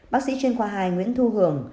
bác sĩ trên khoa hai nguyễn thu hường